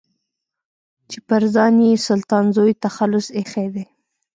چې پر ځان يې سلطان زوی تخلص ايښی دی.